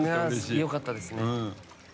良かったですね。